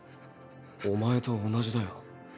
お前と同じだよ。